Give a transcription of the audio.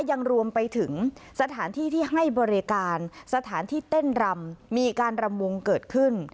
ยังรวมไปถึงสถานที่ที่ให้บริการสถานที่เต้นรำมีการรำวงเกิดขึ้น